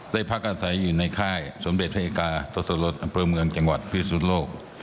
ได้พักอาศัยอยู่ในค่ายสมเด็จเวริกาทศลศอำเภอเมืองจังหวัดภิกษุโลก